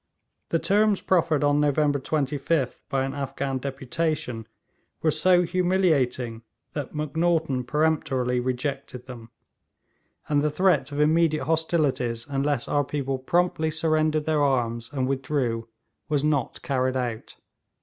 The terms proffered on November 25th by an Afghan deputation were so humiliating that Macnaghten peremptorily rejected them; and the threat of immediate hostilities unless our people promptly surrendered their arms and withdrew was not carried out.